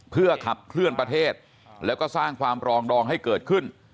เพื่อขับเคลื่อนประเทศแล้วก็สร้างความปรองดองให้เกิดขึ้น